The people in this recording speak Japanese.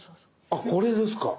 あこれですか。